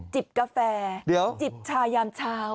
กาแฟจิบชายามเช้า